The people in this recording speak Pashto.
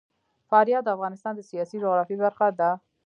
فاریاب د افغانستان د سیاسي جغرافیه برخه ده.